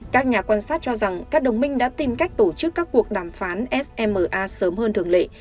các nhà quan sát cho rằng các đồng minh đã tìm cách tổ chức các cuộc đàm phán sma sớm hơn thường lệ